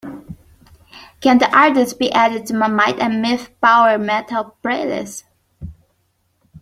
Can the artist be added to my Might and Myth Power Metal playlist?